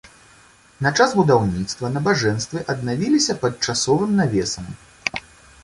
На час будаўніцтва набажэнствы аднавіліся пад часовым навесам.